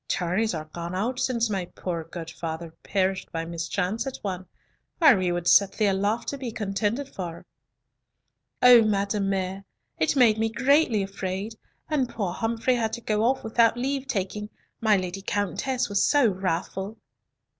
Tourneys are gone out since my poor gude father perished by mischance at one, or we would set thee aloft to be contended for." "O madame mere, it made me greatly afraid, and poor Humfrey had to go off without leave taking, my Lady Countess was so wrathful."